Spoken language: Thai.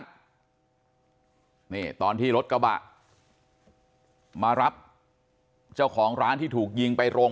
นี่ตอนที่รถกระบะมารับเจ้าของร้านที่ถูกยิงไปโรง